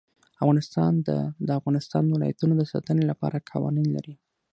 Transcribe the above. افغانستان د د افغانستان ولايتونه د ساتنې لپاره قوانین لري.